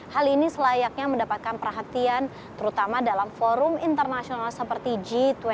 hal ini selayaknya mendapatkan perhatian terutama dalam forum internasional seperti g dua puluh